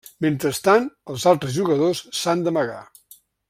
Mentrestant, els altres jugadors s'han d'amagar.